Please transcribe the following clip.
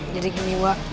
jadi gini wak